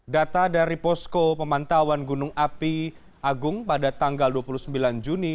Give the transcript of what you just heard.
data dari posko pemantauan gunung api agung pada tanggal dua puluh sembilan juni